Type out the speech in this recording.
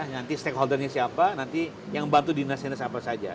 nanti stakeholdernya siapa nanti yang membantu dinasinnya siapa saja